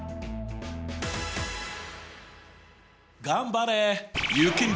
頑張れ！